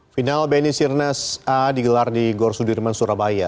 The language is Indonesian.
final bnc rennes a digelar di gorsudirman surabaya